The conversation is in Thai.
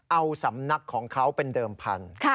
เอาสำนักของเขาเป็นเดิมพันธุ์